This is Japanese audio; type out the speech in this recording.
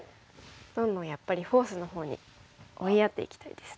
どんどんやっぱりフォースのほうに追いやっていきたいですね。